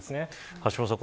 橋下さん